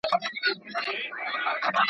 ستا زامن چي د میدان پهلوانان دي!